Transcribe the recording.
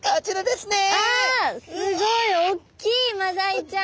すごいおっきいマダイちゃん。